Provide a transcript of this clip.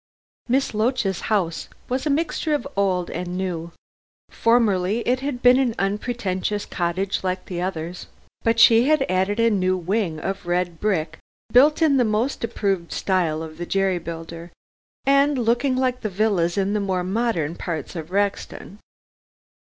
Miss Loach's house was a mixture of old and new. Formerly it had been an unpretentious cottage like the others, but she had added a new wing of red brick built in the most approved style of the jerry builder, and looking like the villas in the more modern parts of Rexton.